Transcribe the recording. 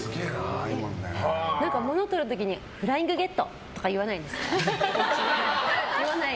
物をとる時にフライングゲット！とか言わないですね。